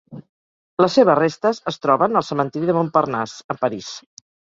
Les seves restes es troben al cementiri de Montparnasse a París.